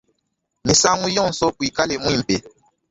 Misangu yonso kuikala muimpe.